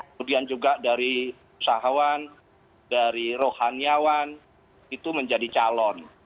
kemudian juga dari usahawan dari rohaniawan itu menjadi calon